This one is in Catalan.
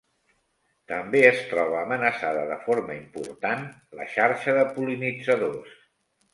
També es troba amenaçada de forma important la xarxa de pol·linitzadors.